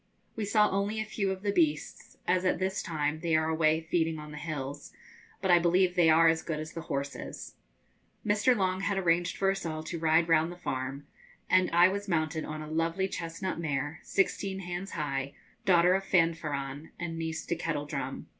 We saw only a few of the beasts, as at this time they are away feeding on the hills, but I believe they are as good as the horses. Mr. Long had arranged for us all to ride round the farm, and I was mounted on a lovely chestnut mare, sixteen hands high, daughter of Fanfaron, and niece to Kettledrum.